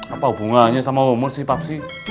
apa hubungannya sama umur sih papsi